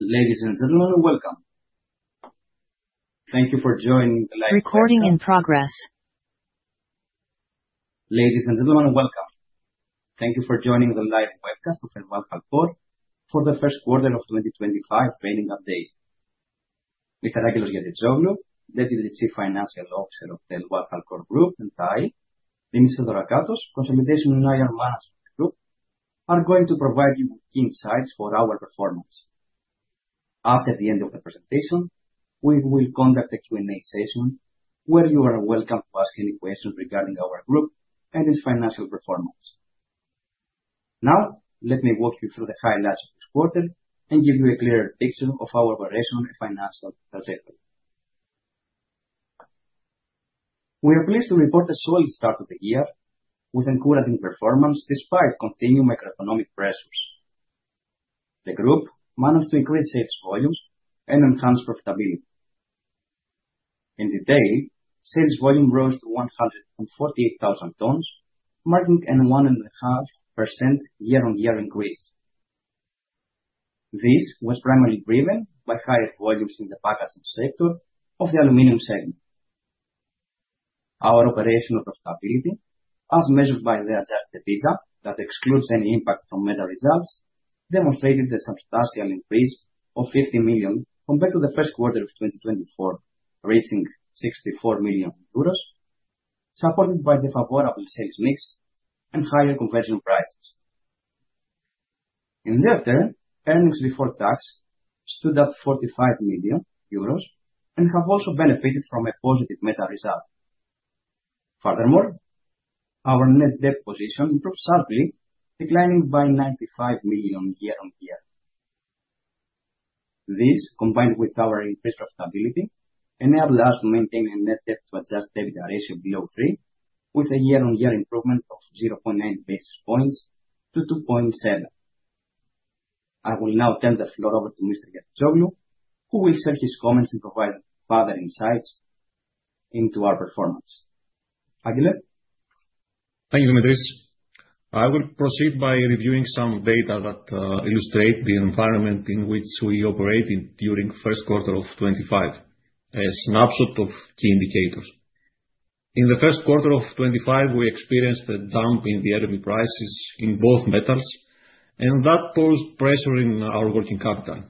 Ladies and gentlemen, welcome. Thank you for joining the live webcast. Ladies and gentlemen, welcome. Thank you for joining the live webcast of ElvalHalcor for the first quarter of 2025 trading update. Angelos Giazitzoglou, Deputy Chief Financial Officer of ElvalHalcor Group and I, Demetrios Rakintzis, Consolidation and IR Management, ElvalHalcor Group, are going to provide you with key insights for our performance. After the end of the presentation, we will conduct a Q&A session where you are welcome to ask any questions regarding our group and its financial performance. Now, let me walk you through the highlights of this quarter and give you a clearer picture of our operational and financial trajectory. We are pleased to report a solid start of the year with encouraging performance despite continued macroeconomic pressures. The group managed to increase sales volumes and enhance profitability. In the day, sales volume rose to 148,000 tons, marking a 1.5% year-on-year increase. This was primarily driven by higher volumes in the packaging sector of the aluminum segment. Our operational profitability, as measured by the adjusted EBITDA that excludes any impact from metal results, demonstrated a substantial increase of 50 million compared to the first quarter of 2024, reaching 64 million euros, supported by the favorable sales mix and higher conversion prices. In their turn, earnings before tax stood at 45 million euros and have also benefited from a positive metal result. Furthermore, our net debt position improved sharply, declining by 95 million year-on-year. This, combined with our increased profitability, enabled us to maintain a net debt to adjusted EBITDA ratio below three, with a year-on-year improvement of 0.9 basis points to 2.7. I will now turn the floor over to Mr. Angelos Giazitzoglou who will share his comments and provide further insights into our performance. Thank you, Demetrios. I will proceed by reviewing some data that illustrate the environment in which we operated during first quarter of 2025, a snapshot of key indicators. In the first quarter of 2025, we experienced a jump in the energy prices in both metals, and that posed pressure in our working capital.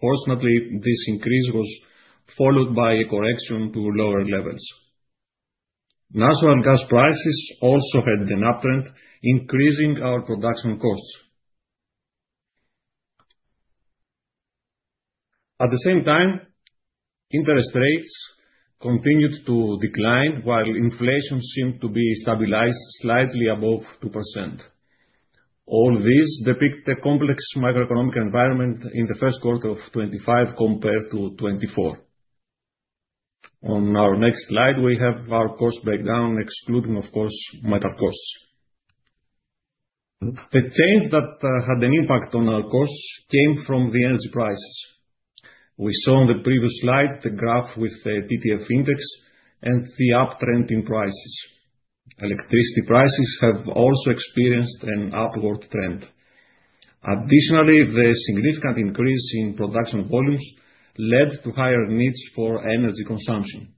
Fortunately, this increase was followed by a correction to lower levels. Natural gas prices also had an uptrend, increasing our production costs. At the same time, interest rates continued to decline while inflation seemed to be stabilized slightly above 2%. All this depict a complex macroeconomic environment in the first quarter of 2025 compared to 2024. On our next slide, we have our cost breakdown, excluding, of course, metal costs. The change that had an impact on our costs came from the energy prices. We saw on the previous slide the graph with the TTF index and the uptrend in prices. Electricity prices have also experienced an upward trend. Additionally, the significant increase in production volumes led to higher needs for energy consumption.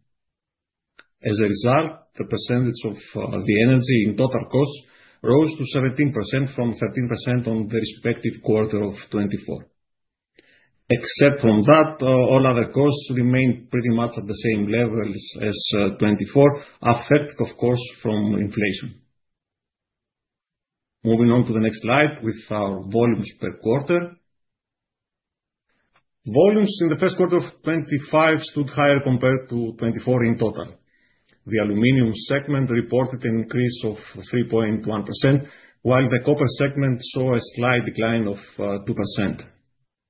As a result, the percentage of the energy in total costs rose to 17% from 13% in the respective quarter of 2024. Except for that, all other costs remained pretty much at the same levels as 2024, affected of course by inflation. Moving on to the next slide with our volumes per quarter. Volumes in the first quarter of 2025 stood higher compared to 2024 in total. The aluminum segment reported an increase of 3.1%, while the copper segment saw a slight decline of 2%.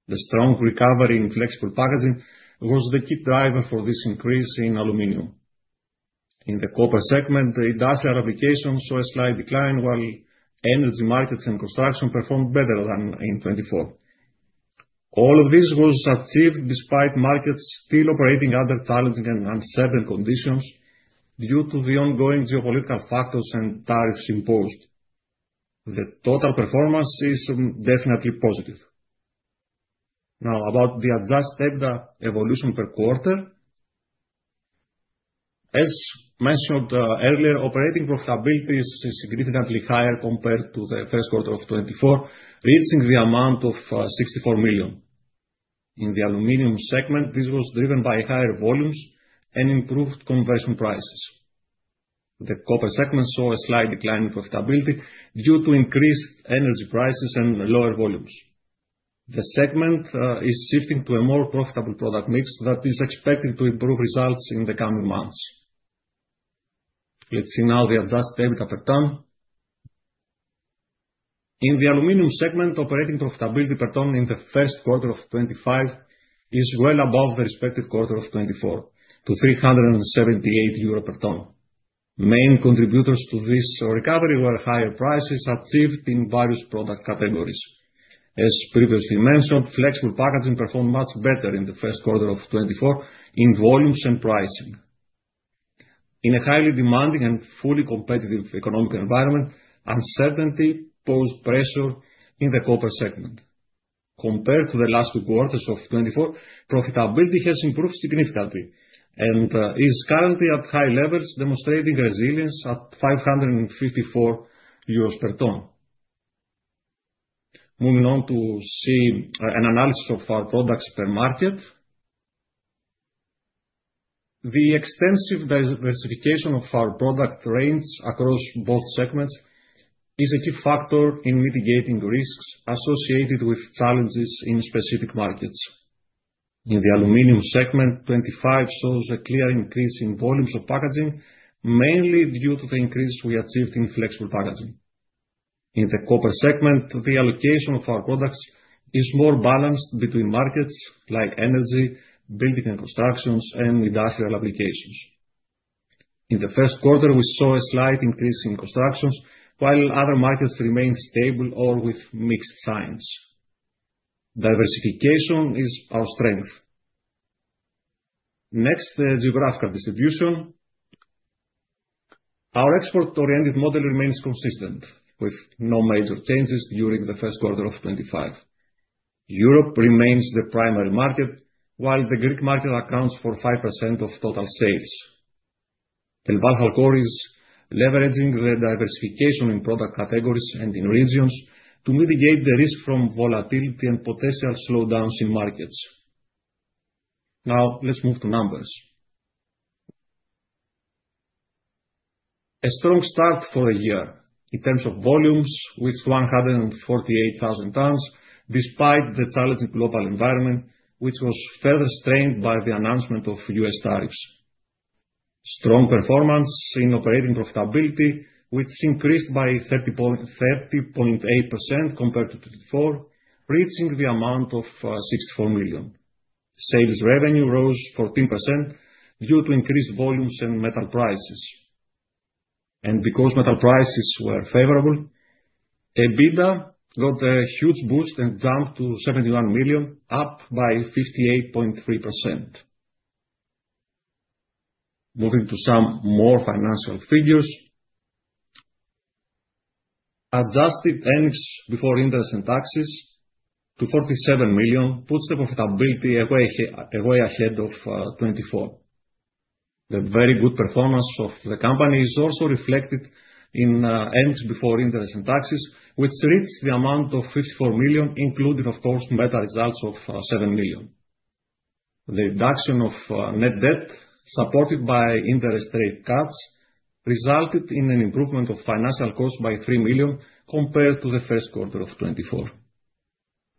The strong recovery in flexible packaging was the key driver for this increase in aluminum. In the copper segment, the industrial application saw a slight decline, while energy markets and construction performed better than in 2024. All of this was achieved despite markets still operating under challenging and uncertain conditions due to the ongoing geopolitical factors and tariffs imposed. The total performance is definitely positive. Now, about the adjusted EBITDA evolution per quarter. As mentioned earlier, operating profitability is significantly higher compared to the first quarter of 2024, reaching the amount of 64 million. In the aluminum segment, this was driven by higher volumes and improved conversion prices. The copper segment saw a slight decline in profitability due to increased energy prices and lower volumes. The segment is shifting to a more profitable product mix that is expected to improve results in the coming months. Let's see now the adjusted EBITDA per ton. In the aluminum segment, operating profitability per ton in the first quarter of 2025 is well above the respective quarter of 2024 to 378 euro per ton. The main contributors to this recovery were higher prices achieved in various product categories. As previously mentioned, flexible packaging performed much better in the first quarter of 2024 in volumes and pricing. In a highly demanding and fully competitive economic environment, uncertainty poses pressure in the copper segment. Compared to the last two quarters of 2024, profitability has improved significantly and is currently at high levels, demonstrating resilience at 554 euros per ton. Moving on to an analysis of our products per market. The extensive diversification of our product range across both segments is a key factor in mitigating risks associated with challenges in specific markets. In the aluminum segment, 2025 shows a clear increase in volumes of packaging, mainly due to the increase we achieved in flexible packaging. In the copper segment, the allocation of our products is more balanced between markets like energy, building and construction, and industrial applications. In the first quarter, we saw a slight increase in construction, while other markets remain stable or with mixed signs. Diversification is our strength. Next, the geographical distribution. Our export-oriented model remains consistent, with no major changes during the first quarter of 2025. Europe remains the primary market, while the Greek market accounts for 5% of total sales. ElvalHalcor is leveraging the diversification in product categories and in regions to mitigate the risk from volatility and potential slowdowns in markets. Now, let's move to numbers. A strong start for a year in terms of volumes with 148,000 tons, despite the challenging global environment, which was further strained by the announcement of U.S. tariffs. Strong performance in operating profitability, which increased by 30.8% compared to 2024, reaching the amount of 64 million. Sales revenue rose 14% due to increased volumes and metal prices. Because metal prices were favorable, EBITDA got a huge boost and jumped to 71 million, up by 58.3%. Moving to some more financial figures. Adjusted earnings before interest and taxes to 47 million puts the profitability way ahead of 2024. The very good performance of the company is also reflected in earnings before interest and taxes, which reached the amount of 54 million, including, of course, better results of 7 million. The reduction of net debt, supported by interest rate cuts, resulted in an improvement of financial costs by 3 million compared to the first quarter of 2024.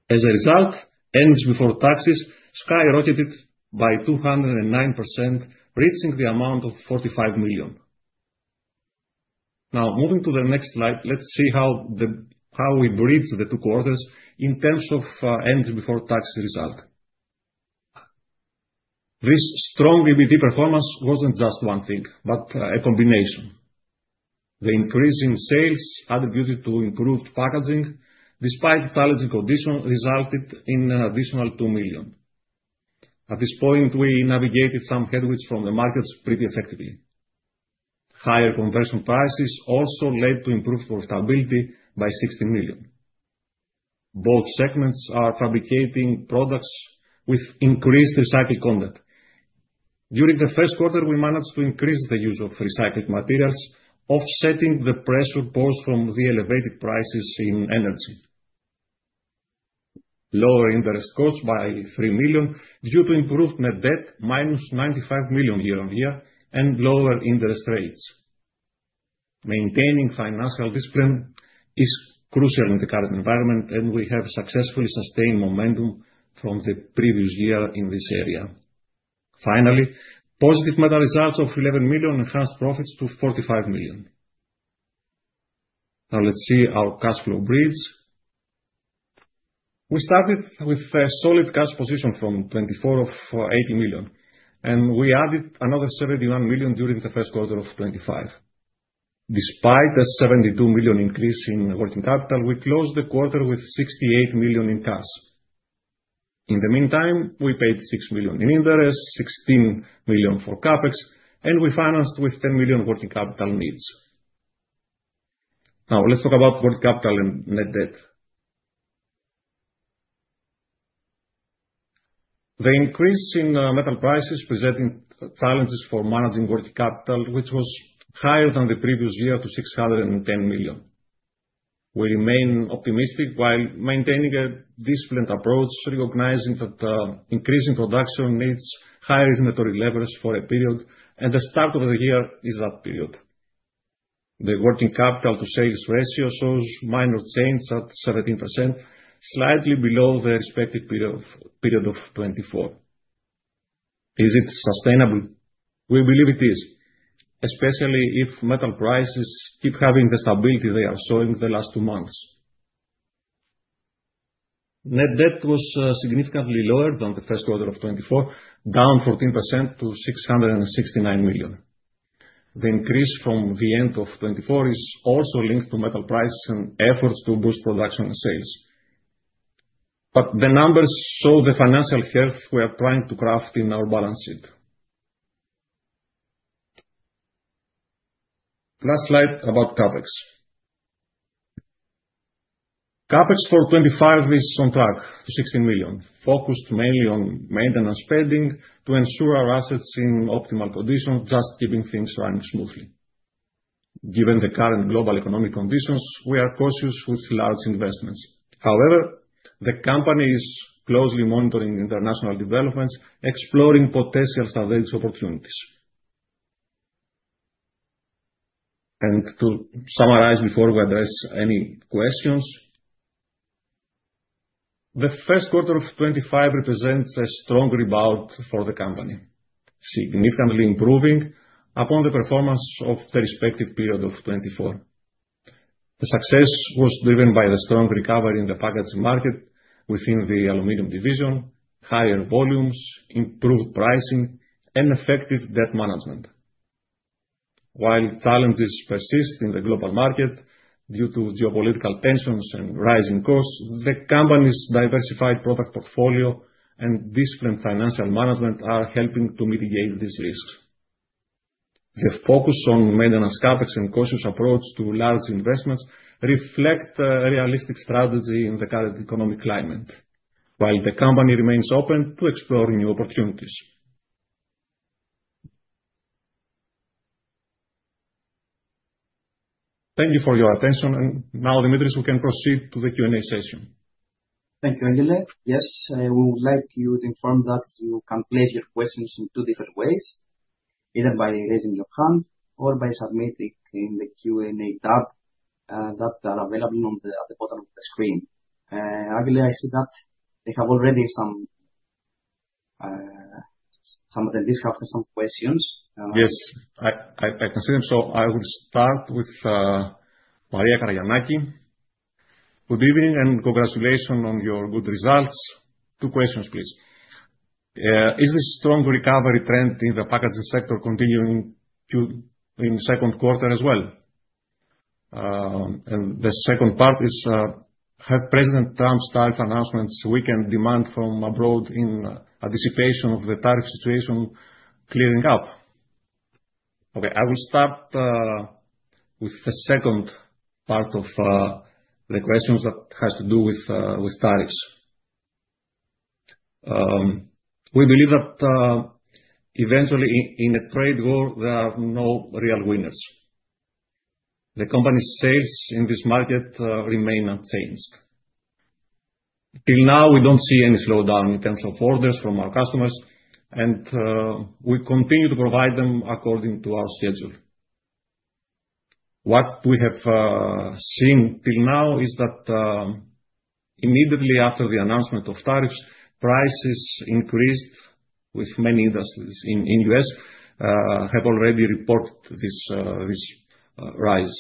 As a result, earnings before taxes skyrocketed by 209%, reaching the amount of 45 million. Now, moving to the next slide, let's see how we bridge the two quarters in terms of earnings before tax result. This strong EBT performance wasn't just one thing, but a combination. The increase in sales attributed to improved packaging despite challenging conditions, resulted in an additional 2 million. At this point, we navigated some headwinds from the markets pretty effectively. Higher conversion prices also led to improved profitability by 16 million. Both segments are fabricating products with increased recycled content. During the first quarter, we managed to increase the use of recycled materials, offsetting the pressure posed from the elevated prices in energy. Lower interest costs by 3 million due to improved net debt, minus 95 million year on year and lower interest rates. Maintaining financial discipline is crucial in the current environment, and we have successfully sustained momentum from the previous year in this area. Finally, positive metal results of 11 million enhanced profits to 45 million. Now let's see our cash flow bridge. We started with a solid cash position from 2024 of 80 million, and we added another 71 million during the first quarter of 2025. Despite a 72 million increase in working capital, we closed the quarter with 68 million in cash. In the meantime, we paid 6 million in interest, 16 million for CapEx, and we financed with 10 million working capital needs. Now, let's talk about working capital and net debt. The increase in metal prices presenting challenges for managing working capital, which was higher than the previous year to 610 million. We remain optimistic while maintaining a disciplined approach, recognizing that increasing production needs higher inventory levels for a period, and the start of the year is that period. The working capital to sales ratio shows minor change at 17%, slightly below the expected 24%. Is it sustainable? We believe it is, especially if metal prices keep having the stability they are showing the last two months. Net debt was significantly lower than the first quarter of 2024, down 14% to 669 million. The increase from the end of 2024 is also linked to metal prices and efforts to boost production and sales. The numbers show the financial health we are trying to craft in our balance sheet. Last slide about CapEx. CapEx for 2025 is on track to 16 million, focused mainly on maintenance spending to ensure our assets in optimal condition, just keeping things running smoothly. Given the current global economic conditions, we are cautious with large investments. However, the company is closely monitoring international developments, exploring potential strategic opportunities. To summarize before we address any questions. The first quarter of 2025 represents a strong rebound for the company, significantly improving upon the performance of the respective period of 2024. The success was driven by the strong recovery in the packaging market within the aluminum division, higher volumes, improved pricing, and effective debt management. While challenges persist in the global market due to geopolitical tensions and rising costs, the company's diversified product portfolio and different financial management are helping to mitigate these risks. The focus on maintenance CapEx and cautious approach to large investments reflect a realistic strategy in the current economic climate, while the company remains open to exploring new opportunities. Thank you for your attention. Now, Demetrios, we can proceed to the Q&A session. Thank you, Angelos. Yes, I would like you to inform that you can place your questions in two different ways, either by raising your hand or by submitting in the Q&A tab, that are available on the, at the bottom of the screen. Angelos, I see that they have already some of them at least have some questions. Yes. I can see them. I will start with Maria Kanakanaki. Good evening and congratulations on your good results. Two questions, please. Is the strong recovery trend in the packaging sector continuing into the second quarter as well? The second part is, have President Trump’s tariff announcements weakened demand from abroad in anticipation of the tariff situation clearing up? I will start with the second part of the questions that has to do with tariffs. We believe that eventually, in a trade war, there are no real winners. The company’s sales in this market remain unchanged. Till now, we have not seen any slowdown in terms of orders from our customers, and we continue to provide them according to our schedule. What we have seen till now is that immediately after the announcement of tariffs, prices increased, with many industries in the U.S. have already reported this rise.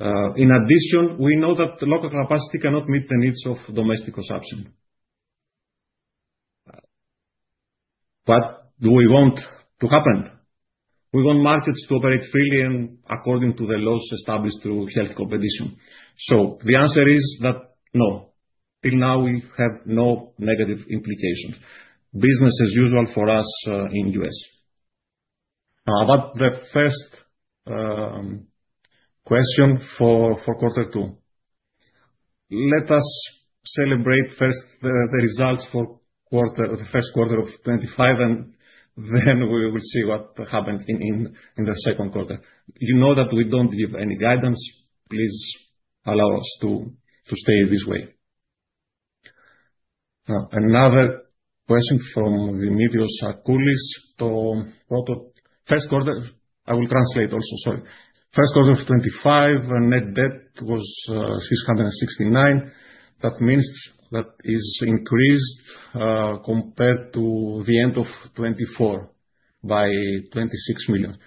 In addition, we know that the local capacity cannot meet the needs of domestic consumption. What do we want to happen? We want markets to operate freely and according to the laws established through healthy competition. The answer is that, no, till now we have no negative implication. Business as usual for us in the U.S. Now, about the first question for quarter two. Let us celebrate first the results for the first quarter of 2025, and then we will see what happens in the second quarter. You know that we don't give any guidance. Please allow us to stay this way. Another question from Dimitrios Akoulis. First quarter. I will translate also. Sorry. First quarter of 2025, net debt was 669 million. That means that is increased compared to the end of 2024 by 26 million.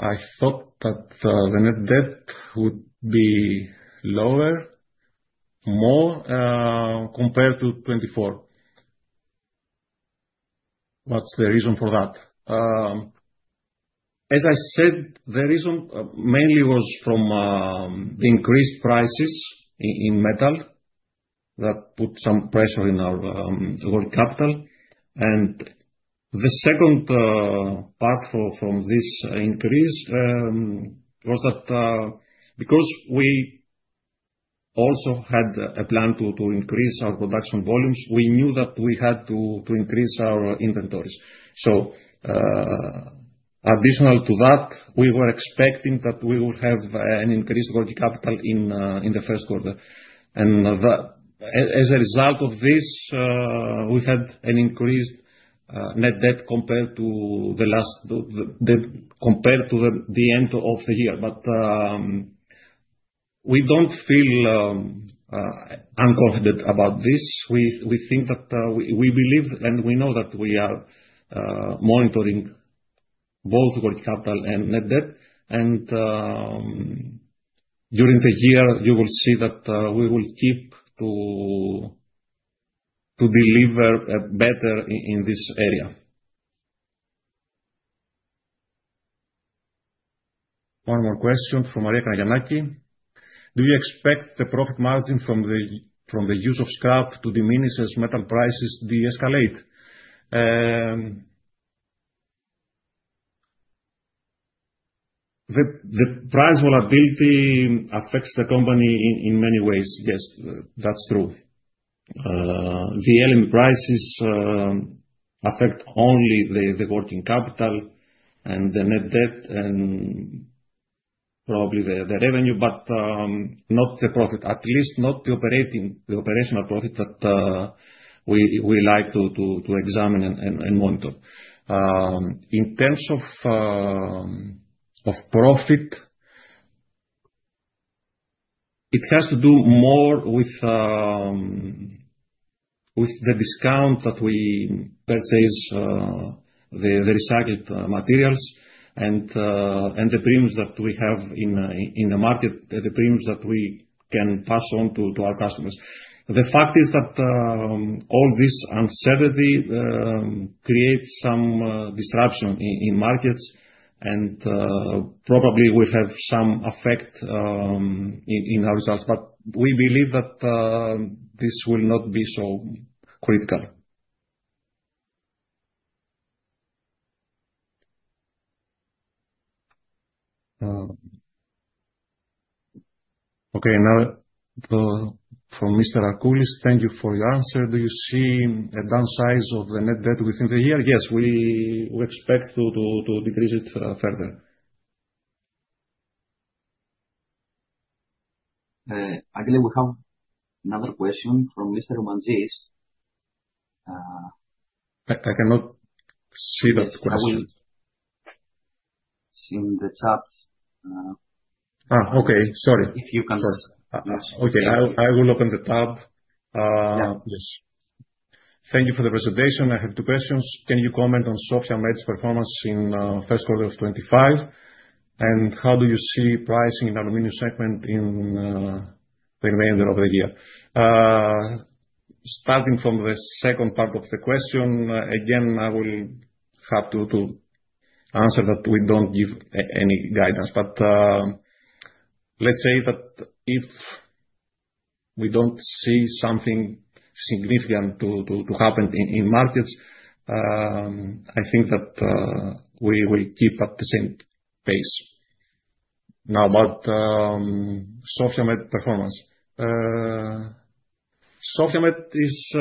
I thought that the net debt would be lower, more compared to 2024. What's the reason for that? As I said, the reason mainly was from increased prices in metal. That put some pressure in our working capital. The second part for from this increase was that because we also had a plan to increase our production volumes, we knew that we had to increase our inventories. Additional to that, we were expecting that we would have an increased working capital in the first quarter. As a result of this, we had an increased net debt compared to the end of the year. We don't feel unconfident about this. We think that we believe and we know that we are monitoring both working capital and net debt. During the year you will see that we will keep to deliver better in this area. One more question from Maria Kanakanaki. Do you expect the profit margin from the use of scrap to diminish as metal prices de-escalate? The price volatility affects the company in many ways. Yes, that's true. The LME prices affect only the working capital and the net debt and probably the revenue, but not the profit. At least not the operational profit that we like to examine and monitor. In terms of profit, it has to do more with the discount at which we purchase the recycled materials and the premiums that we have in the market, the premiums that we can pass on to our customers. The fact is that all this uncertainty creates some disruption in markets and probably will have some effect in our results. We believe that this will not be so critical. Okay, now from Mr. Akoulis. Thank you for your answer. Do you see a decrease of the net debt within the year? Yes, we expect to decrease it further. I believe we have another question from Mr. Mantzis. I cannot see that question. I will. It's in the chat. Okay. Sorry. If you can just- Okay. I will open the tab. Yeah. Yes. Thank you for the presentation. I have two questions. Can you comment on Sofia Med's performance in first quarter of 2025? How do you see pricing in aluminum segment in the remainder of the year? Starting from the second part of the question, again, I will have to answer that we don't give any guidance. Let's say that if we don't see something significant to happen in markets, I think that we keep at the same pace. Now, about Sofia Med performance. Sofia Med is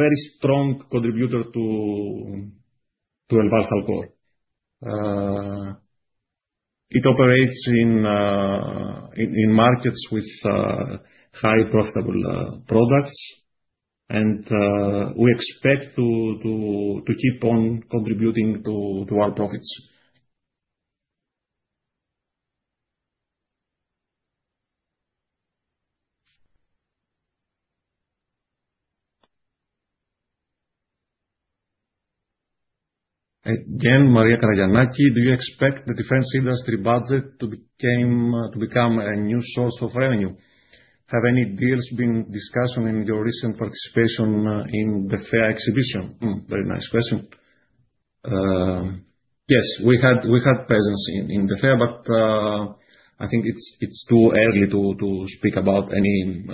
very strong contributor to ElvalHalcor. It operates in markets with highly profitable products. We expect to keep on contributing to our profits. Again, Maria Kanakanaki. Do you expect the defense industry budget to become a new source of revenue? Have any deals been discussed on your recent participation in the fair exhibition? Very nice question. Yes, we had presence in the fair, but I think it's too early to speak about any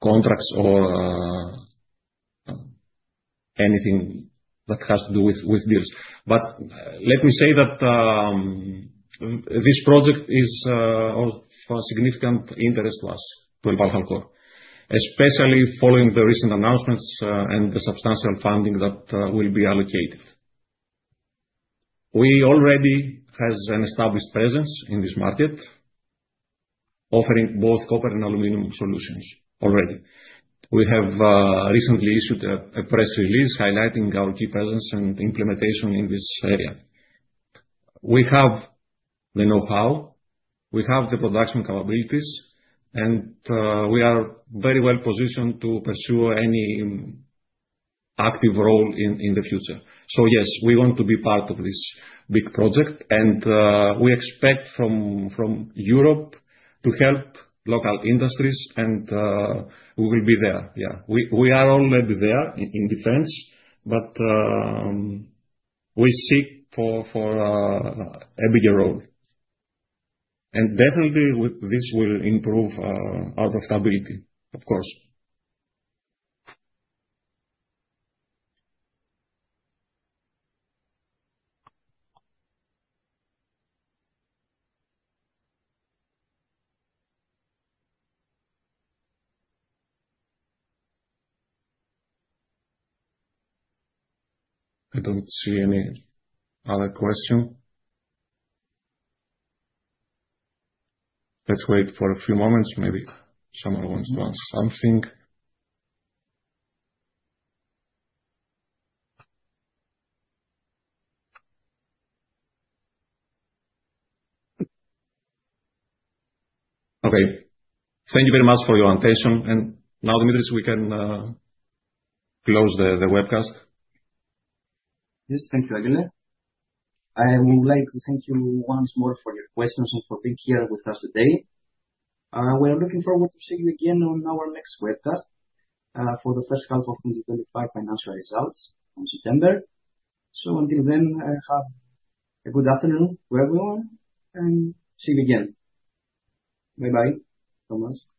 contracts or anything that has to do with this. Let me say that this project is of significant interest to us, to ElvalHalcor, especially following the recent announcements and the substantial funding that will be allocated. We already has an established presence in this market, offering both copper and aluminum solutions already. We have recently issued a press release highlighting our key presence and implementation in this area. We have the know-how, we have the production capabilities, and we are very well positioned to pursue any active role in the future. Yes, we want to be part of this big project and we expect from Europe to help local industries and we will be there. Yeah. We are already there in defense, but we seek for a bigger role. Definitely this will improve our profitability, of course. I don't see any other question. Let's wait for a few moments. Maybe someone wants to ask something. Okay. Thank you very much for your attention. Now, Demetrios, we can close the webcast. Yes. Thank you, Agule. I would like to thank you once more for your questions and for being here with us today. We are looking forward to seeing you again on our next webcast, for the first half of 2025 financial results in September. Until then, have a good afternoon to everyone, and see you again. Bye-bye, Angelos. Bye.